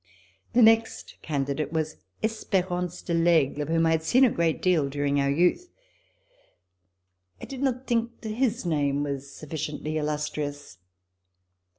The next candidate was Esperance de L'Aigle, of whom I had seen a great deal during our youth. I did not think that his name was sufficiently illustrious.